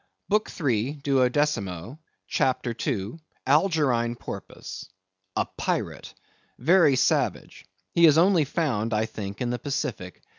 BOOK III. (Duodecimo), CHAPTER II. (Algerine Porpoise).—A pirate. Very savage. He is only found, I think, in the Pacific.